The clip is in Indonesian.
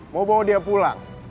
mau bawa dia pulang